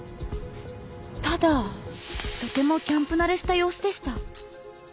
ただとてもキャンプ慣れした様子でした。